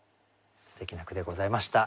すてきな句でございました。